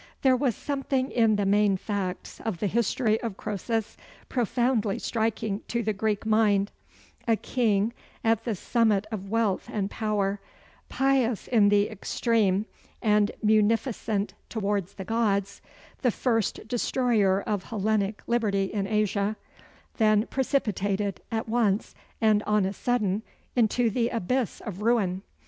There was something in the main facts of the history of Croesus profoundly striking to the Greek mind, a king at the summit of wealth and power pious in the extreme and munificent toward the gods the first destroyer of Hellenic liberty in Asia then precipitated, at once and on a sudden, into the abyss of ruin.